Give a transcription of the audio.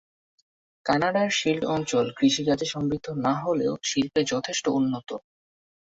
কানাডার শিল্ড অঞ্চল কৃষিকাজে সমৃদ্ধ না হলেও শিল্পে যথেষ্ট উন্নত।